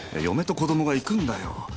嫁と子供が行くんだよ。